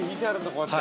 こうやって。